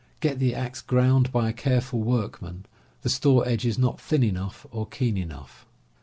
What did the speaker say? Get the axe ground by a careful workman. The store edge is not thin enough or keen enough.